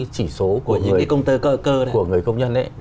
chỉ số của người công nhân